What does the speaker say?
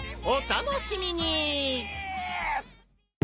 お楽しみに！